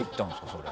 それ。